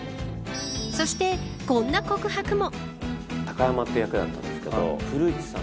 そして、こんな告白も。